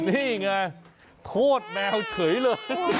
นี่ไงโทษแมวเฉยเลย